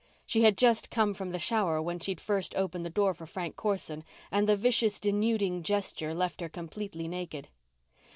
She had just come from the shower when she'd first opened the door for Frank Corson, and the vicious denuding gesture left her completely naked.